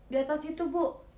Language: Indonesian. di atas itu bu